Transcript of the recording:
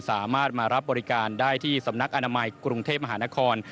สามารถมารับบริการได้ที่สำนักอนามัยกรุงเทพมหานคร